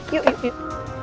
yuk yuk yuk